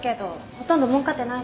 ほとんどもうかってないし。